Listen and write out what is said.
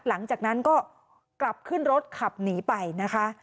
หลังจากนั้นก็กลับขึ้นรถขับหนีไปนะคะ